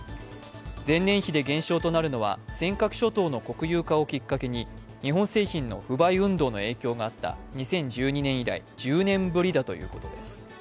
前年比で減少となるのは尖閣諸島の国有化をきっかけに日本製品の不買運動の影響があった２０１２年以来１０年ぶりだということです。